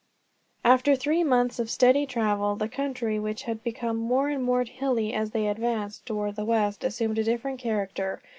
After three months of steady travel, the country, which had become more and more hilly as they advanced toward the west, assumed a different character.